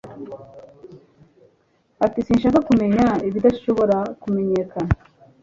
Ati Sinshaka kumenya ibidashobora kumenyekana